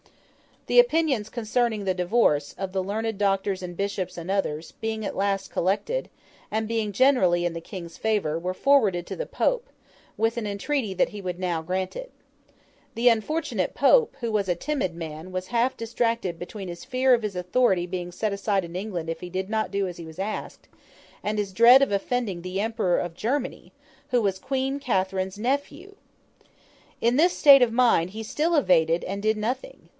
The opinions concerning the divorce, of the learned doctors and bishops and others, being at last collected, and being generally in the King's favour, were forwarded to the Pope, with an entreaty that he would now grant it. The unfortunate Pope, who was a timid man, was half distracted between his fear of his authority being set aside in England if he did not do as he was asked, and his dread of offending the Emperor of Germany, who was Queen Catherine's nephew. In this state of mind he still evaded and did nothing.